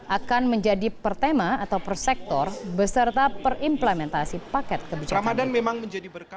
akan menjadi per tema atau per sektor beserta per implementasi paket kebijakan